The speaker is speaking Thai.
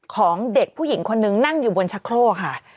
ของเด็กผู้หญิงคนนึงนั่งอยู่บนชะโครกค่ะ